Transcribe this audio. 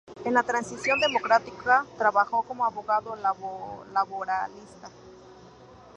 En la Transición democrática trabajó como abogado laboralista.